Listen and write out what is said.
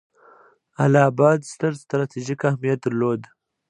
اله اباد ستر ستراتیژیک اهمیت درلود.